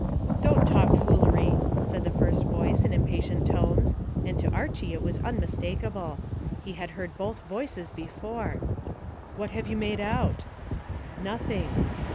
"Don't talk foolery," said the first voice in impatient tones, and to Archy it was unmistakable. He had heard both voices before. "What have you made out?" "Nothing."